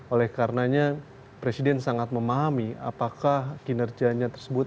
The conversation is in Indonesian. oleh karenanya presiden sangat memahami apakah kinerjanya tersebut